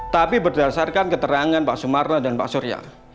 tapi berdasarkan keterangan pak sumarno dan pak surya